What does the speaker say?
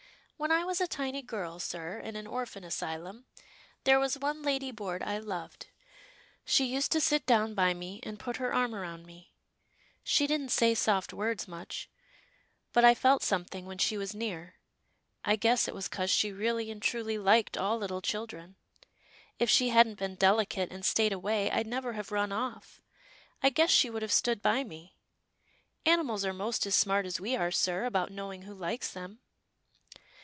" When I was a tiny girl, sir, in an orphan asylum, there was one ladyboard I loved. She used to sit down by me, and put her arm round me. COUSIN OONAH RILEY 277 She didn't say soft words much, but I felt some thing when she was near. I guess it was 'cause she really and truly liked all little children. If she hadn't been delicate, and stayed away, I'd never have run off. I guess she would have stood by me — Animals are most as smart as we are, sir, about knowing who likes them."